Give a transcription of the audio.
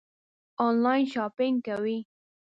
آنلاین شاپنګ کوئ؟